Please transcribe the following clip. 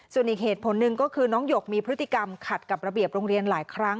ส่วนอีกเหตุผลหนึ่งก็คือน้องหยกมีพฤติกรรมขัดกับระเบียบโรงเรียนหลายครั้ง